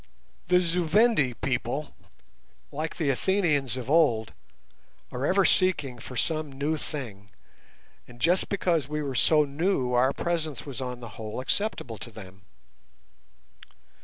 The Zu Vendi people, like the Athenians of old, are ever seeking for some new thing, and just because we were so new our presence was on the whole acceptable to them.